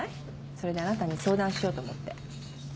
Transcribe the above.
それであなたに相談しようと思って。